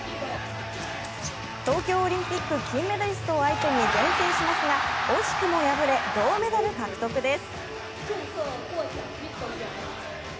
東京オリンピック金メダリストを相手に善戦しますが惜しくも敗れ、銅メダル獲得です。